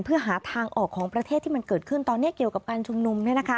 เพื่อหาทางออกของประเทศที่มันเกิดขึ้นตอนนี้เกี่ยวกับการชุมนุม